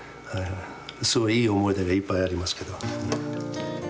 いい思い出がいっぱいありますけど。